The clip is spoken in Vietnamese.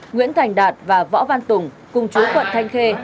nguyễn thành đạt và võ văn tùng cùng chú quận thanh khê